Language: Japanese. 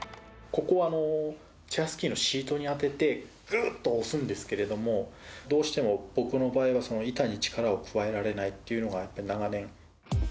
ここはチェアスキーのシートに当てて、ぐっと押すんですけれども、どうしても僕の場合は、板に力を加えられないというのがないのが長年。